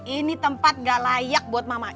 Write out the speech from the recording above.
ini tempat gak layak buat mama